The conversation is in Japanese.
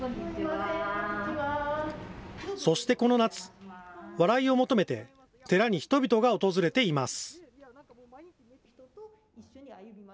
そしてこの夏、笑いを求めて、寺に人々が訪れています。